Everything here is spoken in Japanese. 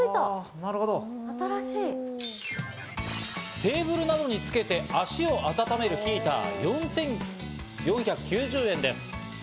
テーブルなどにつけて足を温めるヒーター、４４９０円です。